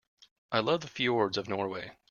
I love the fjords of Norway.